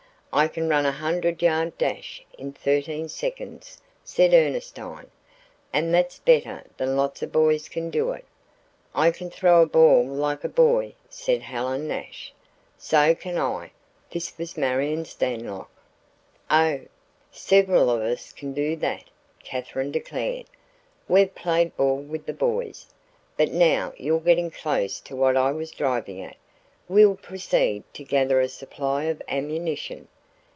"I can run a hundred yard dash in thirteen seconds," said Ernestine; "and that's better than lots of boys can do it." "I can throw a ball like a boy," said Helen Nash. "So can I" this from Marion Stanlock. "Oh, several of us can do that," Katherine declared. "We've played ball with the boys. But now you're getting close to what I was driving at. We'll proceed to gather a supply of ammunition."